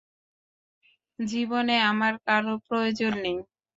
জীবনে আমার কারো প্রয়োজন নেই।